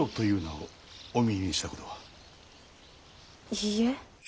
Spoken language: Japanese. いいえ。